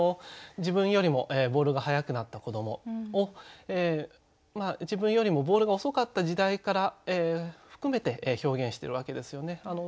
自分よりもボールが速くなった子どもを自分よりもボールが遅かった時代から含めて表現してるわけですよね。